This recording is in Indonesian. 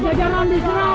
surga pada jarak